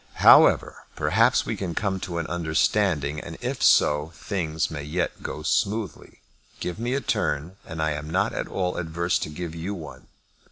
However, perhaps we can come to an understanding, and if so, things may yet go smoothly. Give me a turn and I am not at all adverse to give you one.